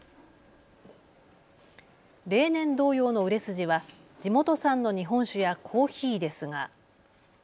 例年同様の売れ筋は地元産の日本酒やコーヒーですが。